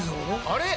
あれ？